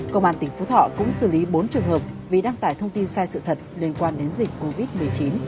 công an tỉnh phú thọ cũng xử lý bốn trường hợp vì đăng tải thông tin sai sự thật liên quan đến dịch covid một mươi chín